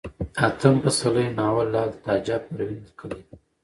اتم پسرلی ناول لال تاجه پروين ليکلئ دی